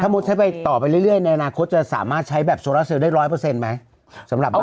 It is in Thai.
มุติใช้ไปต่อไปเรื่อยในอนาคตจะสามารถใช้แบบโซลาเซลได้๑๐๐ไหมสำหรับเรา